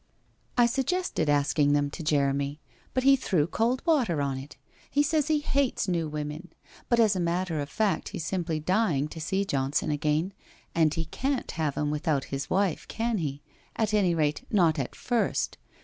' I suggested asking them to Jeremy, but he threw cold water on it. He says he hates new women. But, as a matter of fact, he's simply dying to see Johnson again and he can't have him without his wife, can he, at any rate, not at first.